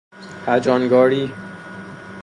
هجانگاری